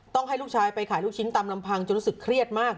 ให้ลูกชายไปขายลูกชิ้นตามลำพังจนรู้สึกเครียดมาก